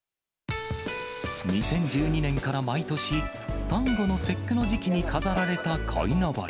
２０１２年から毎年、端午の節句の時期に飾られた、こいのぼり。